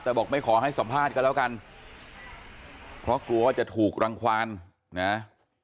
แต่บอกไม่ขอให้สัมภาษณ์กันแล้วกันเพราะกลัวว่าจะถูกรังความนะ